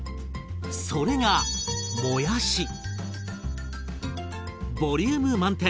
それがボリューム満点！